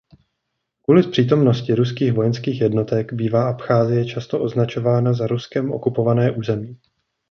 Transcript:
Kvůli přítomnosti ruských vojenských jednotek bývá Abcházie často označována za Ruskem okupované území.